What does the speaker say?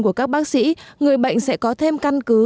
của các bác sĩ người bệnh sẽ có thêm căn cứ